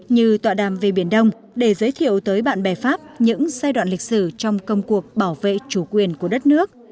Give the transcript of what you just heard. như tọa đàm về biển đông để giới thiệu tới bạn bè pháp những giai đoạn lịch sử trong công cuộc bảo vệ chủ quyền của đất nước